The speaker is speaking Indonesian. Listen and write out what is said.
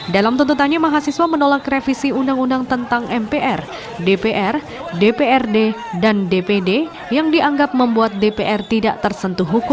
dalam tuntutannya mahasiswa menolak revisi undang undang tentang mpr dpr dprd dan dpd yang dianggap membuat dpr tidak tersentuh hukum